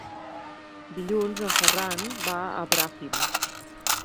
Dilluns en Ferran va a Bràfim.